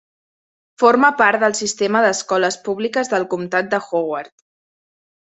Forma part del sistema d'escoles públiques del comtat de Howard.